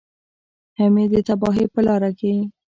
هم یې د تباهۍ په لاره کې.